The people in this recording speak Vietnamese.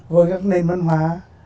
với các nền văn hóa